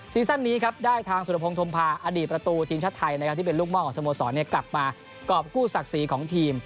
ซั่นนี้ครับได้ทางสุรพงศ์ธมภาอดีตประตูทีมชาติไทยนะครับที่เป็นลูกห้อของสโมสรกลับมากรอบกู้ศักดิ์ศรีของทีม